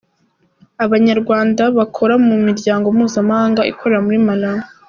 Abanyarwanda bakora mu miryango mpuzamahanga ikorera muri Malawi;